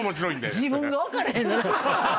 自分が分かれへんねんな！